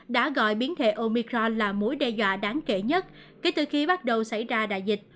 đã gọi biến thể omicron là mối đe dọa đáng kể nhất kể từ khi bắt đầu xảy ra đại dịch